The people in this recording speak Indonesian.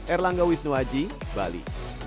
erlangga wisnuaji bali